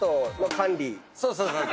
そうそうそうそう。